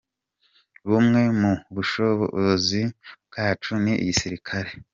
"Bumwe mu bushobozi bwacu ni igisirikare.